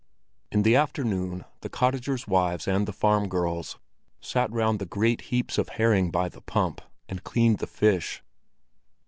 In the afternoon the cottagers' wives and the farm girls sat round the great heaps of herring by the pump, and cleaned the fish.